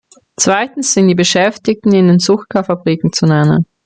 Zweitens sind die Beschäftigten in den Zuckerfabriken zu nennen.